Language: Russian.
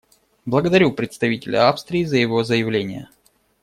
Благодарю представителя Австрии за его заявление.